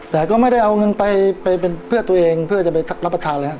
แต่ก็ไม่ได้เอาเงินไปเป็นเพื่อตัวเองเพื่อจะไปรับประทานเลยครับ